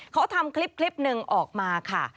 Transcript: เขาทำคลิปหนึ่งออกมาค่ะ